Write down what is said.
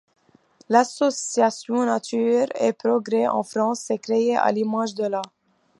L'association Nature & Progrès en France s'est créée à l'image de la '.